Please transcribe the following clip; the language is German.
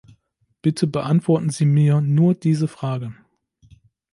Bitte beantworten Sie mir nur diese Frage.